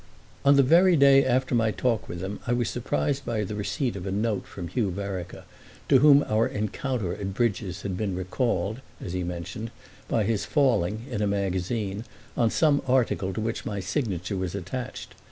On the very day after my talk with him I was surprised by the receipt of a note from Hugh Vereker, to whom our encounter at Bridges had been recalled, as he mentioned, by his falling, in a magazine, on some article to which my signature was attached.